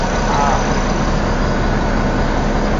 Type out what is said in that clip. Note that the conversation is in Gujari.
آ ! اس بھائی نا اج کوہواں